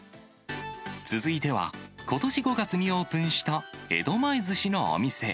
続いては、ことし５月にオープンした江戸前ずしのお店。